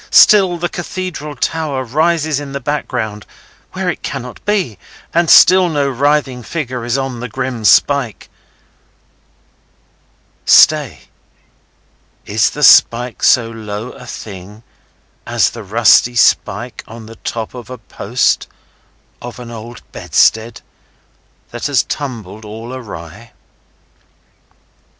Still the Cathedral Tower rises in the background, where it cannot be, and still no writhing figure is on the grim spike. Stay! Is the spike so low a thing as the rusty spike on the top of a post of an old bedstead that has tumbled all awry?